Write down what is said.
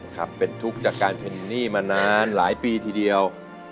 ครับเป็นทุกข์จากการเป็นหนี้มานานหลายปีทีเดียว